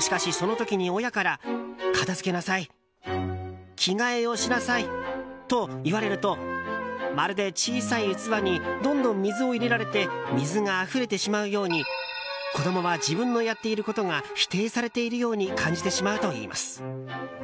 しかし、その時に親から片付けなさい着替えをしなさいと言われるとまるで小さい器にどんどん水を入れられて水があふれてしまうように子どもは自分のやっていることが否定されているように感じてしまうという。